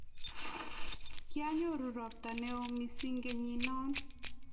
Kinyoru ropta neo missing' kenyinno.